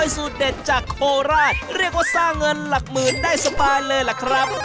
สูตรเด็ดจากโคราชเรียกว่าสร้างเงินหลักหมื่นได้สบายเลยล่ะครับ